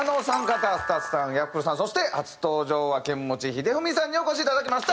ＳＴＵＴＳさんＹａｆｆｌｅさんそして初登場はケンモチヒデフミさんにお越しいただきました。